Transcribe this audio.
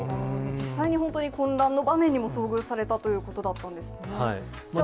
実際に本当に混乱の場面にも遭遇されたということだったんですね。